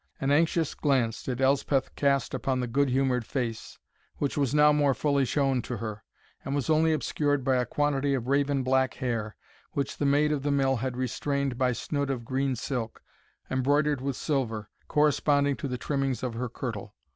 An anxious glance did Elspoth cast upon the good humoured face, which was now more fully shown to her, and was only obscured by a quantity of raven black hair, which the maid of the mill had restrained by a snood of green silk, embroidered with silver, corresponding to the trimmings of her kirtle.